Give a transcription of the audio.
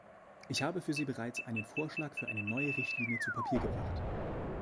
Ich habe für Sie bereits einen Vorschlag für eine neue Richtlinie zu Papier gebracht.